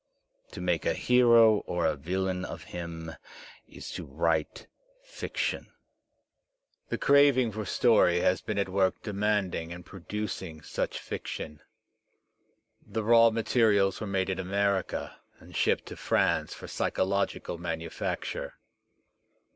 To make a hero or a villain of him is to write fiction. The craving for story has been at work demanding and producing such fiction. The raw materials wfiEemade in America and shipped to France for psychological manu facture.